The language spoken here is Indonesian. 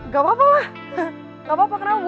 gak apa apa gak apa apa kenapa bu